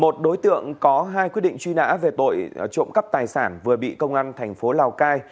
một đối tượng có hai quyết định truy nã về tội trộm cắp tài sản vừa bị công an thành phố lào cai